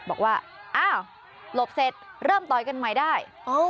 บอกว่าอ้าวหลบเสร็จเริ่มต่อยกันใหม่ได้